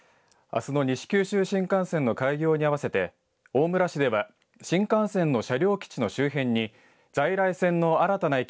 あすの西九州新幹線の開業に合わせて大村市では新幹線の車両基地の周辺に在来線の新たな駅